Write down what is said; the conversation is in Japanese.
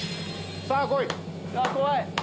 さぁ来い！